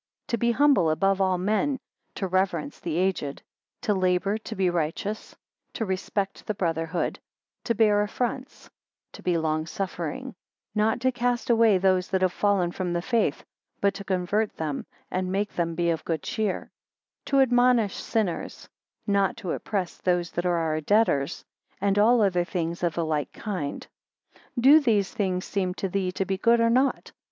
11 To be humble above all men; to reverence the aged; to labour to be righteous; to respect the brotherhood; to bear affronts; to be long suffering; not to cast away those that have fallen from the faith, but to convert them, and make them be of good cheer: to admonish sinners; not to oppress those that are our debtors; and all other things of a like kind. 12 Do these things seem to thee to be good or not?